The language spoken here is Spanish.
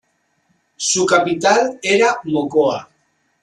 Su capital era Mocoa.